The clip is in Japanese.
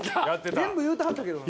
全部言うてはったけどな。